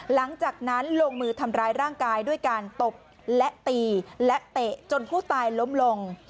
หลังจากนั้นลงมือทำร้ายร่างกายด้วยการตบและตีและเตะจนผู้ตายล้มลง